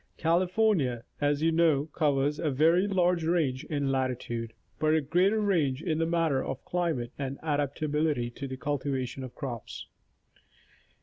California, as you know, covers a very large range in latitude, but a greater range in the matter of climate and adapta bility to the cultivation of crops.